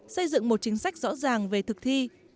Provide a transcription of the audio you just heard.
xây dựng một chính sách rõ ràng về thực thi